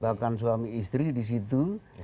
bahkan suami istri di situ